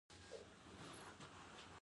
لوبیا په تودو سیمو کې کیږي.